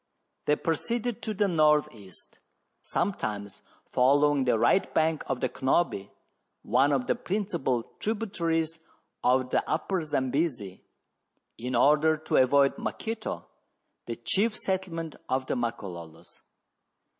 They proceeded to the north east, sometimes following the right bank of the Cnobi, one of the principal tributaries of the Upper Zambesi, in order to avoid Maketo, the chief settle ment of the Makololos.